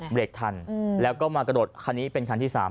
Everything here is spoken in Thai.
เบรกทันแล้วก็มากระโดดคันนี้เป็นคันที่๓